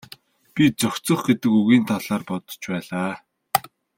Би зохицох гэдэг үгийн талаар бодож байлаа.